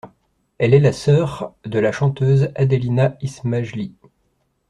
Elle est la sœur de la chanteuse Adelina Ismajli.